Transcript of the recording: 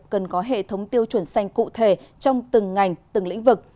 cần có hệ thống tiêu chuẩn xanh cụ thể trong từng ngành từng lĩnh vực